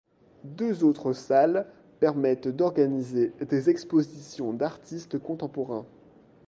Deux autres salles permettent d'organiser des expositions d'artistes contemporains.